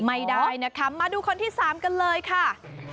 ไม่ได้นะคะมาดูคนที่๓กันเลยค่ะ